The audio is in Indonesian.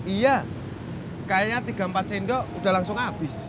iya kayaknya tiga puluh empat sendok udah langsung habis